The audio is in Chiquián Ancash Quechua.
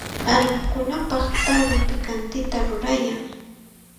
Aruqkunapaq tarwi pikantita rurayan.